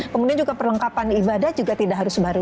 kemudian juga perlengkapan ibadah juga tidak harus baru